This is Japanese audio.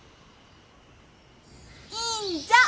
いんじゃ！